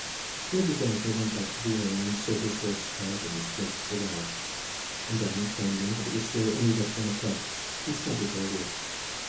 Major Grantly went back to the inn and saw his horse fed, and smoked a cigar, and then, finding that it was still only just one o'clock, he started for a walk.